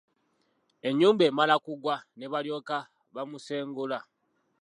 Ennyumba emala kuggwa ne balyoka bamusengula.